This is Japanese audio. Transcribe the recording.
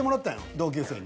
同級生に。